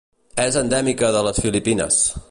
És endèmica de les Filipines.